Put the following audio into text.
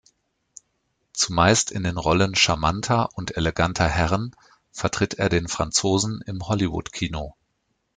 Zumeist in den Rollen charmanter und eleganter Herren vertritt er den Franzosen im Hollywood-Kino.